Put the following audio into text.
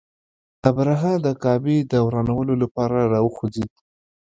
ابرهه د کعبې د ورانولو لپاره را وخوځېد.